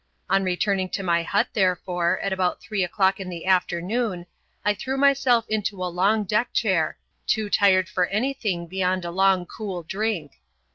On returning to my hut, therefore, at about three o'clock in the afternoon, I threw myself into a long deck chair, too tired for anything beyond a long cool drink.